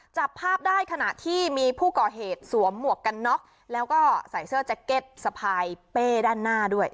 จับภาพได้ขณะที่มีผู้ก่อเหตุสวมหมวกกันน็อกแล้วก็ใส่เสื้อแจ็คเก็ตสะพายเป้ด้านหน้าด้วย